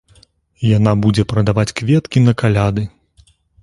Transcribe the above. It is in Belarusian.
Яна будзе прадаваць кветкі на каляды.